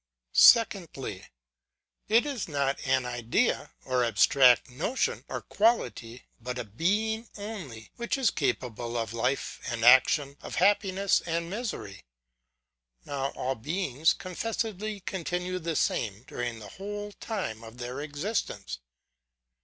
Secondly. It is not an idea, or abstract notion, or quality, but a being only, which is capable of life and action, of happiness and misery. Now all beings con fessedly continue the same, during the whole time of their existence.